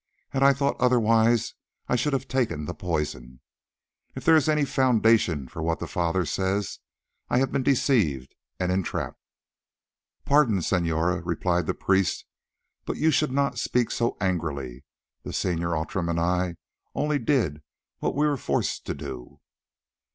Had I thought otherwise I should have taken the poison. If there is any foundation for what the Father says, I have been deceived and entrapped." "Pardon, senora," replied the priest; "but you should not speak so angrily. The Senor Outram and I only did what we were forced to do."